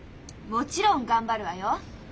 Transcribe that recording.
もちろん頑張るわよ。